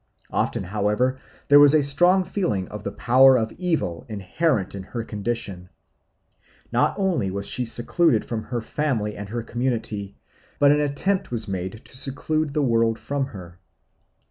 Often, however, there was a strong feeling of the power of evil inherent in her condition. Not only was she secluded from her family and the community, but an attempt was made to seclude the world from her.